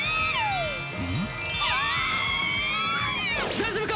大丈夫か！